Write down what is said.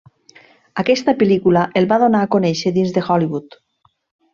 Aquesta pel·lícula el va donar a conèixer dins de Hollywood.